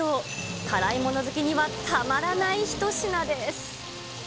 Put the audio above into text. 辛いもの好きにはたまらない一品です。